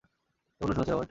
জঘন্য শোনাচ্ছে, রবার্ট।